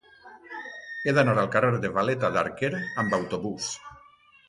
He d'anar al carrer de Valeta d'Arquer amb autobús.